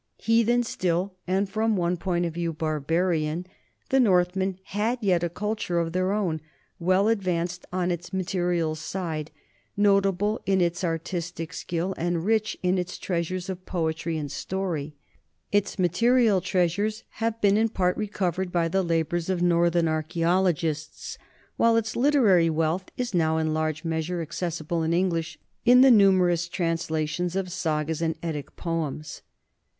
Heathen still and from one point of view barbarian, the Northmen had yet a culture of their own, well advanced on its material side, notable in its artistic skill, and rich in its treasures of poetry and story. Its material treasures have been in part recovered by the labors of northern archaeologists, while its literary wealth is now in large measure acces sible in English in the numerous translations of sagas and Eddie poems.